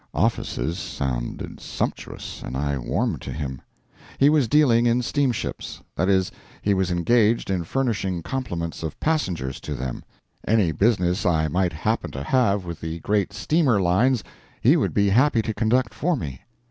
("Offices" sounded sumptuous, and I warmed to him.) He was dealing in steamships; that is, he was engaged in furnishing complements of passengers to them; any business I might happen to have with the great steamer lines he would be happy to conduct for me.